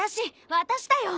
私だよ！